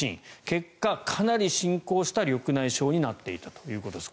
結果、かなり進行した緑内障になっていたということです。